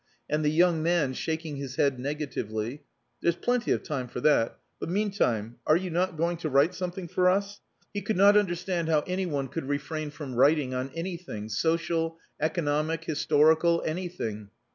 And the young man, shaking his head negatively "There's plenty of time for that. But, meantime, are you not going to write something for us?" He could not understand how any one could refrain from writing on anything, social, economic, historical anything.